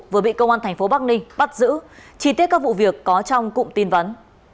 vừa bị công an thành phố bắc ninh bắt giữ chi tiết các vụ việc có trong cụm tin vấn